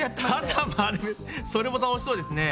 それも楽しそうですね。